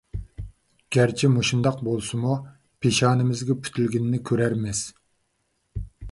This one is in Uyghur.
گەرچە مۇشۇنداق بولسىمۇ، پېشانىمىزگە پۈتۈلگىنىنى كۆرەرمىز.